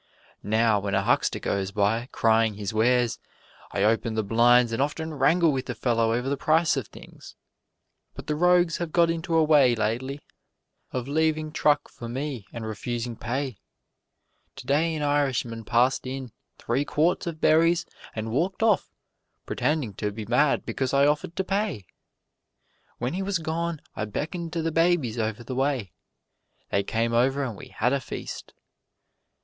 Now, when a huckster goes by, crying his wares, I open the blinds, and often wrangle with the fellow over the price of things. But the rogues have got into a way lately of leaving truck for me and refusing pay. Today an Irishman passed in three quarts of berries and walked off pretending to be mad because I offered to pay. When he was gone, I beckoned to the babies over the way they came over and we had a feast.